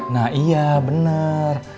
nah iya bener